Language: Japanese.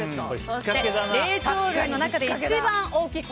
そして、霊長類の中で一番大きい。